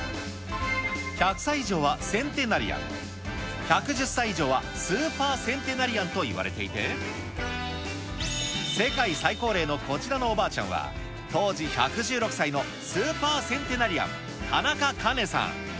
１００歳以上はセンテナリアン、１１０歳以上はスーパーセンテナリアンといわれていて、世界最高齢のこちらのおばあちゃんは、当時１１６歳のスーパーセンテナリアン、田中カ子さん。